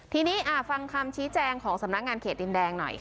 ทีนี้ฟังคำชี้แจงของสำนักงานเขตดินแดงหน่อยค่ะ